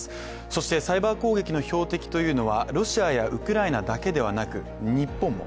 そして、サイバー攻撃の標的というのはロシアやウクライナだけではなく日本も。